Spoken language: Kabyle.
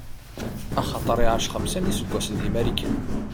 Axaṭer iɛac xemsa n iseggasen di Marikan.